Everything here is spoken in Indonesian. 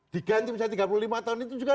diganti misalnya tiga puluh lima tahun itu juga